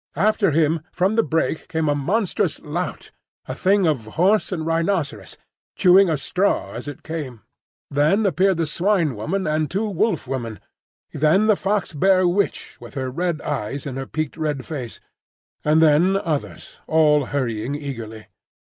After him from the brake came a monstrous lout, a thing of horse and rhinoceros, chewing a straw as it came; then appeared the Swine woman and two Wolf women; then the Fox bear witch, with her red eyes in her peaked red face, and then others,—all hurrying eagerly.